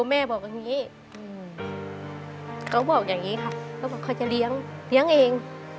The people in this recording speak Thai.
แม่บอกอย่างนี้เขาบอกอย่างนี้ค่ะเขาบอกเขาจะเลี้ยงเลี้ยงเอง